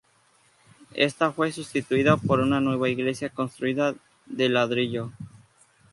Esta fue sustituida por una nueva Iglesia construida de ladrillo.